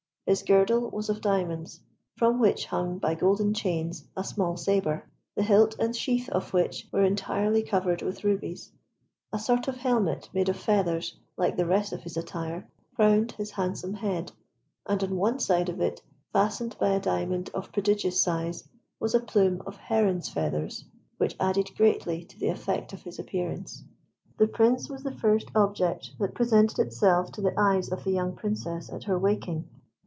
His girdle was of diamonds, from which hung by golden chains a small sabre, the hilt and sheath of which were entirely covered with rubies. A sort of helmet, made of feathers like the rest of his attire, crowned his handsome head, and on one side of it, fastened by a diamond of prodigious size, was a plume of heron's feathers, which added greatly to the effect of his appearance. The Prince was the first object that presented itself to the eyes of the young Princess at her waking.